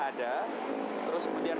ada terus kemudian